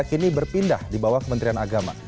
kini berpindah di bawah kementerian agama